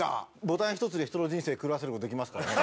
ボタン１つで人の人生狂わせる事できますからね。